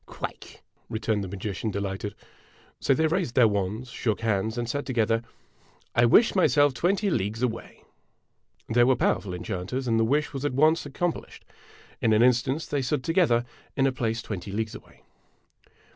" Quite !" returned the magician, delighted. So they raised their wands, shook hands, and said together :" I wish myself twenty leagues away !' They were powerful enchanters, and the wish was at once ac complished. In an instant they stood together in a place twenty leagues away.